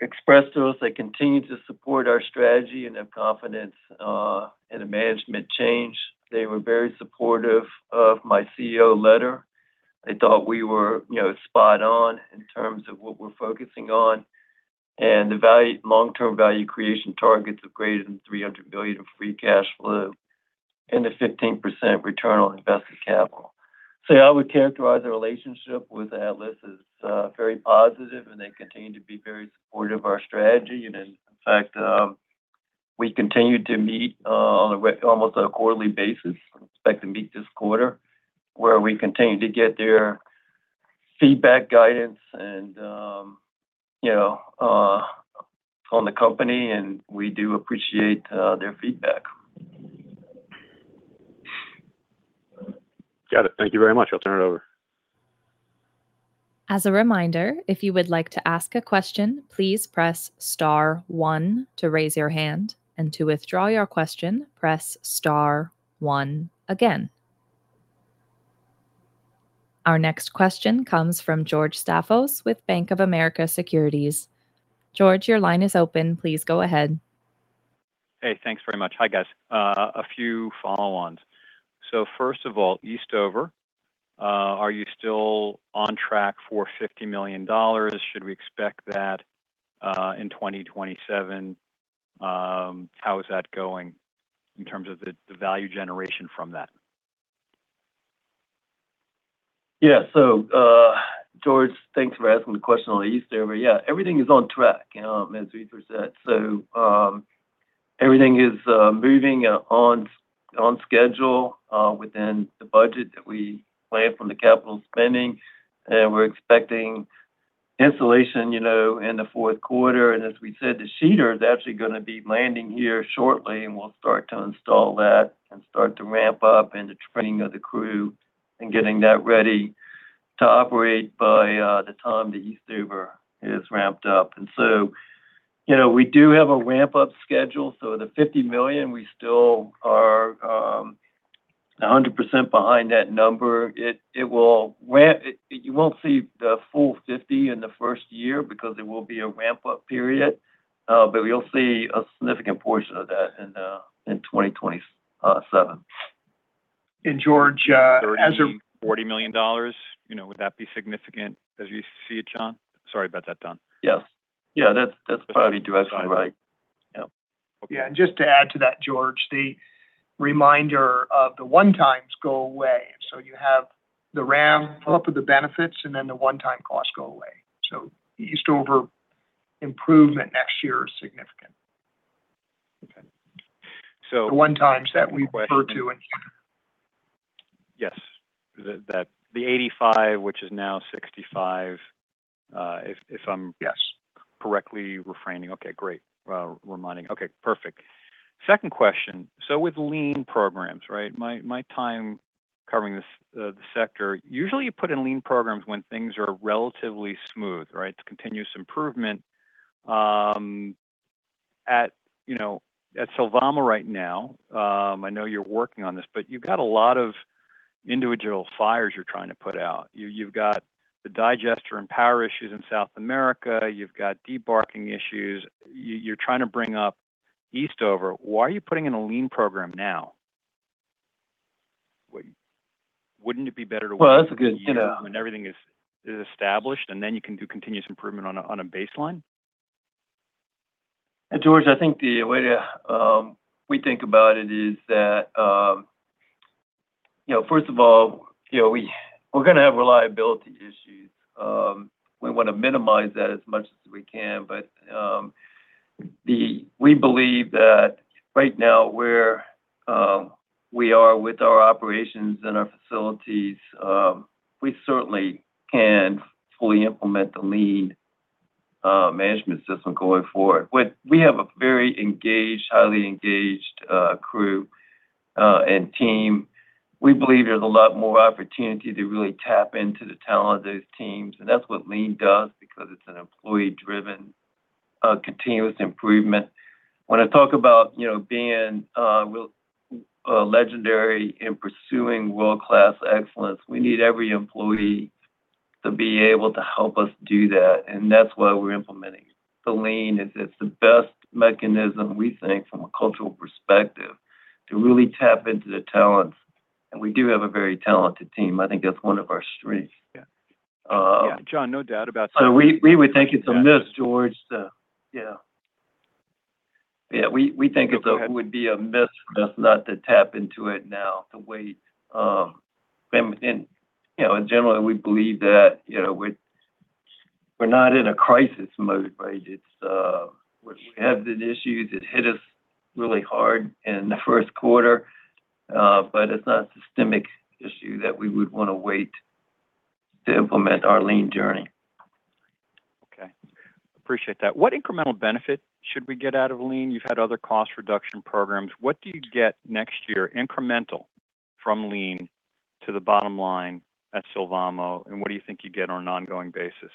expressed to us they continue to support our strategy and have confidence in the management change. They were very supportive of my CEO letter. They thought we were, you know, spot on in terms of what we're focusing on. The long-term value creation targets of greater than $300 million of free cash flow and a 15% return on invested capital. Yeah, I would characterize the relationship with Atlas as very positive, and they continue to be very supportive of our strategy. In fact, we continue to meet on almost a quarterly basis. I expect to meet this quarter, where we continue to get their feedback, guidance and, you know, on the company, and we do appreciate their feedback. Got it. Thank you very much. I'll turn it over. As a reminder, if you would like to ask a question, please press star one to raise your hand. To withdraw your question, press star one again. Our next question comes from George Staphos with Bank of America Securities. George, your line is open. Please go ahead. Hey, thanks very much. Hi, guys. A few follow-ons. First of all, Eastover, are you still on track for $50 million? Should we expect that in 2027? How is that going in terms of the value generation from that? Yeah. George, thanks for asking the question on Eastover. Yeah, everything is on track as we present. Everything is moving on schedule within the budget that we planned from the capital spending. We're expecting installation, you know, in the fourth quarter. As we said, the sheeter is actually gonna be landing here shortly, and we'll start to install that and start to ramp up in the training of the crew and getting that ready to operate by the time the Eastover is ramped up. You know, we do have a ramp-up schedule. The $50 million, we still are 100% behind that number. You won't see the full $50 million in the first year because there will be a ramp-up period. But, we'll see a significant portion of that in 2027. Hey, George. $30 million, $40 million, you know, would that be significant as you see it, John? Sorry about that, Don. Yes. Yeah, that's probably roughly right. That's fine. Yeah. Okay. Just to add to that, George, the reminder of the one-times go away. You have the ramp-up of the benefits, and then the one-time costs go away. Eastover improvement next year is significant. Okay. The one-times that we refer to in here. Yes. The, that, the $85 million, which is now $65 million, if... Yes... Correctly reframing. Okay, great. Reminding. Okay, perfect. Second question. With lean programs, right? My time covering this sector, usually you put in lean programs when things are relatively smooth, right? It's continuous improvement. At, you know, at Sylvamo right now, I know you're working on this, but you've got a lot of individual fires you're trying to put out. You've got the digester and power issues in South America. You've got debarking issues. You're trying to bring up Eastover. Why are you putting in a Lean program now? Wouldn't it be better to wait... Well, that's a good, you know.... When everything is established, and then you can do continuous improvement on a baseline? George, I think the way that we think about it is that, first of all, we're gonna have reliability issues. We wanna minimize that as much as we can. We believe that right now, where we are with our operations and our facilities, we certainly can fully implement the lean management system going forward. We have a very engaged, highly engaged crew and team. We believe there's a lot more opportunity to really tap into the talent of those teams. That's what lean does because it's an employee-driven continuous improvement. When I talk about being legendary in pursuing world-class excellence, we need every employee to be able to help us do that. That's why we're implementing the Lean is it's the best mechanism, we think, from a cultural perspective, to really tap into the talents. We do have a very talented team. I think that's one of our strengths. Yeah. Um- Yeah, John, no doubt about that. We would think it's a myth, George. Yeah. Would be a myth for us not to tap into it now, to wait, and, you know, and generally, we believe that, you know, we're not in a crisis mode, right? It's, We have the issues that hit us really hard in the first quarter, but it's not a systemic issue that we would wanna wait to implement our lean journey. Okay. Appreciate that. What incremental benefit should we get out of lean? You've had other cost reduction programs. What do you get next year incremental from lean to the bottom line at Sylvamo, and what do you think you get on an ongoing basis?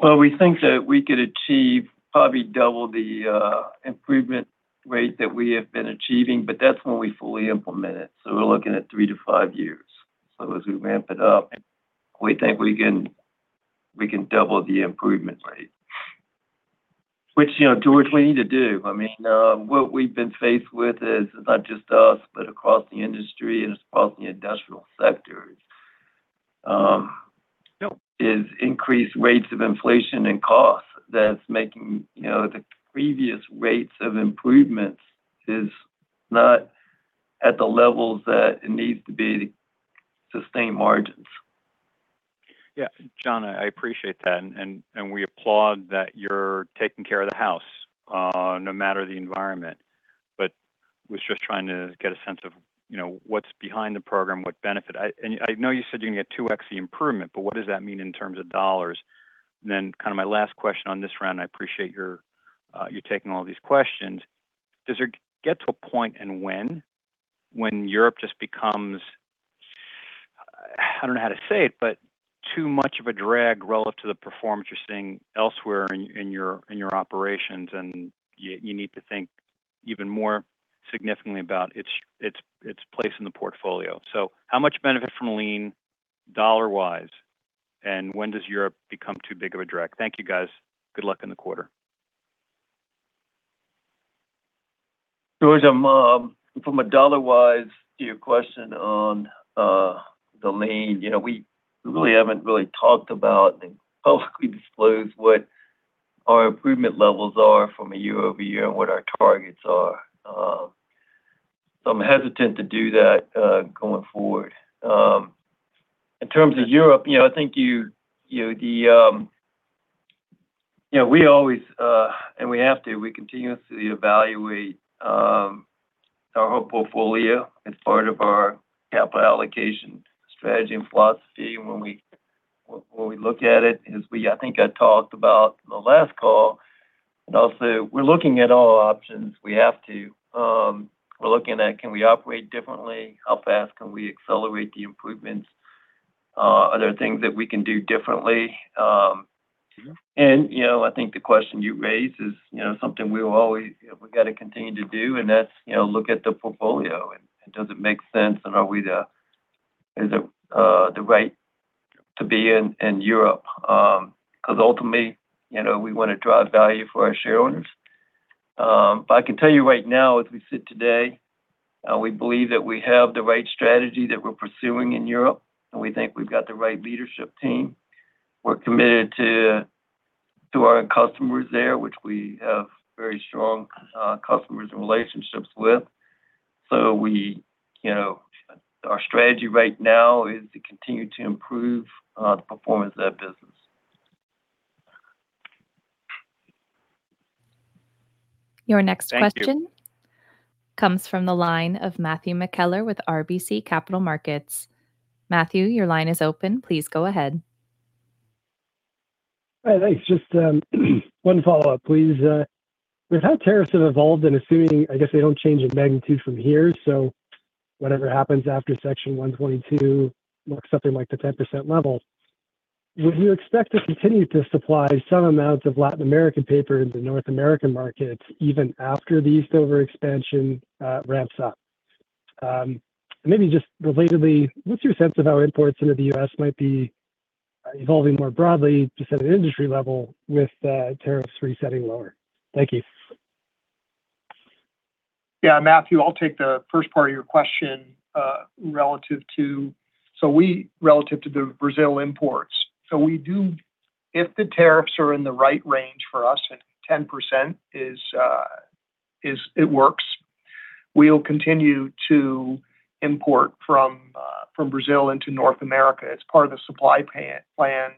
Well, we think that we could achieve probably double the improvement rate that we have been achieving, but that's when we fully implement it, we're looking at three to five years. As we ramp it up, we think we can double the improvement rate. Which, you know, George, we need to do. I mean, what we've been faced with is, it's not just us, but across the industry and across the industrial sectors. Yep Is increased rates of inflation and cost that's making, you know, the previous rates of improvements is not at the levels that it needs to be to sustain margins. John, I appreciate that, and we applaud that you're taking care of the house, no matter the environment. I was just trying to get a sense of, you know, what's behind the program, what benefit? I know you said you're gonna get 2x the improvement, but what does that mean in terms of dollars? My last question on this round, I appreciate your taking all these questions. Does it get to a point when Europe just becomes, I don't know how to say it, but too much of a drag relative to the performance you're seeing elsewhere in your operations, and you need to think even more significantly about its place in the portfolio. How much benefit from lean dollar-wise, and when does Europe become too big of a drag? Thank you, guys. Good luck in the quarter. George, from a dollar-wise to your question on the lean, you know, we really haven't really talked about and publicly disclosed what our improvement levels are from a year-over-year and what our targets are. I'm hesitant to do that going forward. In terms of Europe, you know, I think you know, Yeah, we always, and we have to, we continuously evaluate our whole portfolio as part of our capital allocation strategy and philosophy. When we look at it is I think I talked about in the last call and also we're looking at all options. We have to. We're looking at can we operate differently? How fast can we accelerate the improvements? Are there things that we can do differently? You know, I think the question you raise is, you know, something we will always, you know, we gotta continue to do, and that's, you know, look at the portfolio and does it make sense and is it the right to be in Europe? ultimately, you know, we wanna drive value for our shareholders. I can tell you right now as we sit today, we believe that we have the right strategy that we're pursuing in Europe, and we think we've got the right leadership team. We're committed to our customers there, which we have very strong customers and relationships with. we, you know, our strategy right now is to continue to improve the performance of that business. Your next question... Thank you.... Comes from the line of Matthew McKellar with RBC Capital Markets. Matthew, your line is open. Please go ahead. Hi. Thanks. Just one follow-up, please. With how tariffs have evolved and assuming, I guess, they don't change in magnitude from here, so whatever happens after Section 122 looks something like the 10% level, would you expect to continue to supply some amount of Latin American paper in the North American market even after the Eastover expansion ramps up? Maybe just relatedly, what's your sense of how imports into the U.S. might be evolving more broadly just at an industry level with tariffs resetting lower? Thank you. Matthew, I'll take the first part of your question relative to the Brazil imports. If the tariffs are in the right range for us, and 10% is, it works, we'll continue to import from Brazil into North America. It's part of the supply plan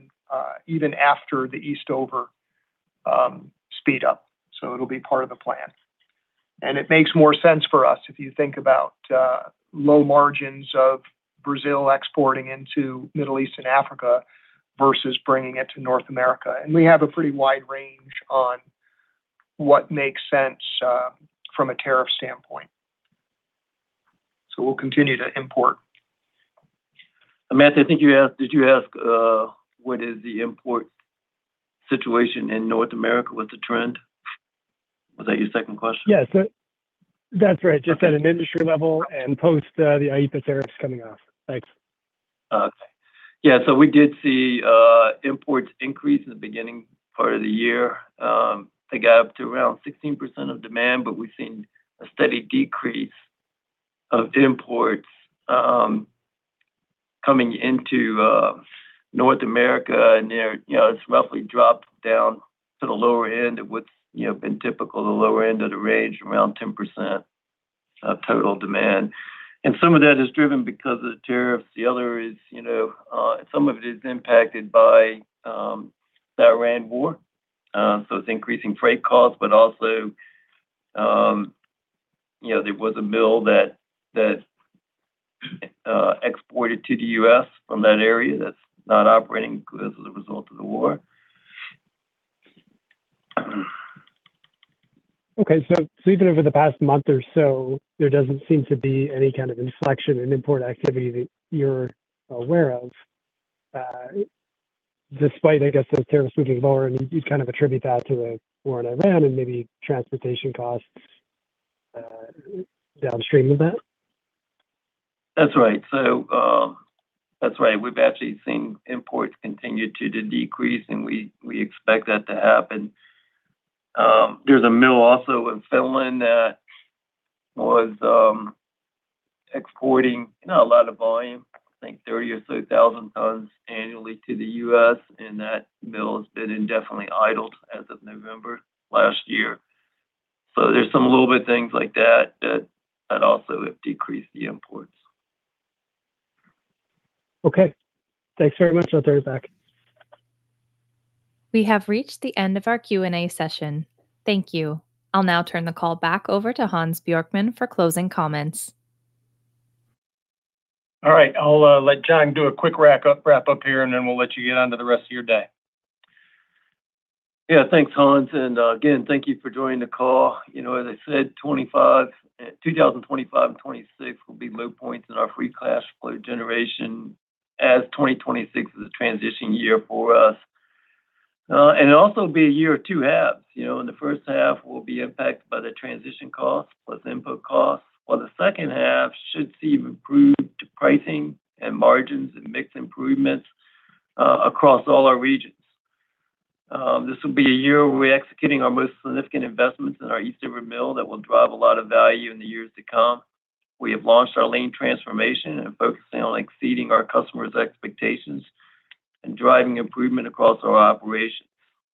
even after the Eastover speed up. It'll be part of the plan. It makes more sense for us if you think about low margins of Brazil exporting into Middle East and Africa versus bringing it to North America. We have a pretty wide range on what makes sense from a tariff standpoint. We'll continue to import. Matthew, Did you ask, what is the import situation in North America, what's the trend? Was that your second question? Yes. That's right. Okay. Just at an industry level and post, the IEEPA tariffs coming off. Thanks. Okay. Yeah, we did see imports increase in the beginning part of the year, I think up to around 16% of demand, but we've seen a steady decrease of imports coming into North America, and they're, you know, it's roughly dropped down to the lower end of what's, you know, been typical, the lower end of the range, around 10% of total demand. Some of that is driven because of the tariffs. The other is, you know, some of it is impacted by the Iran war. It's increasing freight costs, but also, you know, there was a mill that exported to the U.S. from that area that's not operating as a result of the war. Okay. Even over the past month or so, there doesn't seem to be any kind of inflection in import activity that you're aware of, despite, I guess, those tariffs moving lower, and you'd kind of attribute that to the war in Iran and maybe transportation costs downstream of that? That's right. That's right. We've actually seen imports continue to decrease, and we expect that to happen. There's a mill also in Finland that was exporting not a lot of volume, I think 30,000 tons annually to the U.S., and that mill has been indefinitely idled as of November last year. There's some little bit things like that that also have decreased the imports. Okay. Thanks very much. I'll throw it back. We have reached the end of our Q&A session. Thank you. I'll now turn the call back over to Hans Bjorkman for closing comments. All right. I'll let John do a quick wrap up here, and then we'll let you get on to the rest of your day. Yeah. Thanks, Hans. Again, thank you for joining the call. You know, as I said, 2025 and 2026 will be low points in our free cash flow generation as 2026 is a transition year for us. It'll also be a year of two halves. You know, in the first half, we'll be impacted by the transition costs plus input costs, while the second half should see improved pricing and margins and mix improvements across all our regions. This will be a year where we're executing our most significant investments in our Eastover Mill that will drive a lot of value in the years to come. We have launched our Lean transformation and are focusing on exceeding our customers' expectations and driving improvement across our operations.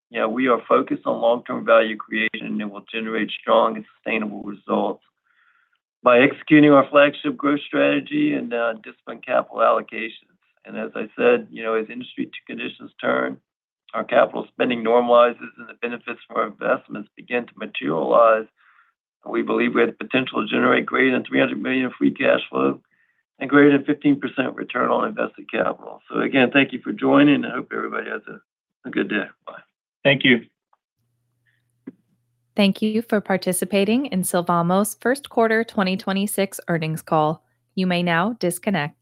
You know, we are focused on long-term value creation that will generate strong and sustainable results by executing our flagship growth strategy and disciplined capital allocations. As I said, you know, as industry conditions turn, our capital spending normalizes and the benefits for our investments begin to materialize, and we believe we have the potential to generate greater than $300 million of free cash flow and greater than 15% return on invested capital. Again, thank you for joining, and I hope everybody has a good day. Bye. Thank you. Thank you for participating in Sylvamo's First Quarter 2026 Earnings Call. You may now disconnect.